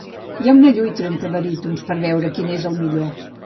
Hi ha una lluita entre barítons per veure quin és el millor.